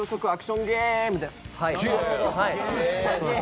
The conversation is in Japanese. ゲームです。